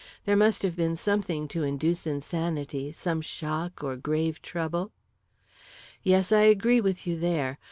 There must have been something to induce insanity some shock or grave trouble." "Yes, I agree with you there.